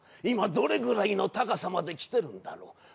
今どれぐらいの高さまで来ているんだろう？